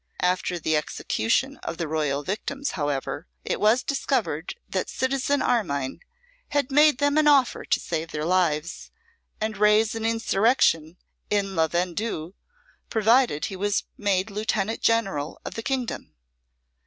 After the execution of the royal victims, however, it was discovered that Citizen Armine had made them an offer to save their lives and raise an insurrection in La Vendue, provided he was made Lieutenant general of the kingdom.